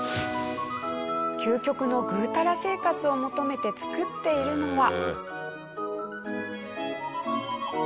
究極のぐうたら生活を求めて作っているのは。